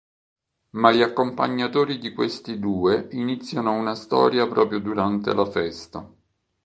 Ma gli accompagnatori di questi due iniziano una storia proprio durante la festa.